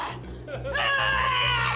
うわ！